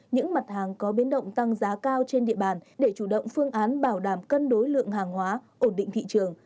những mặt hàng có biến động tăng giá cao trên địa bàn để chủ động phương án bảo đảm cân đối lượng hàng hóa ổn định thị trường